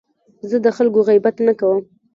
زه د خلکو غیبت نه کوم.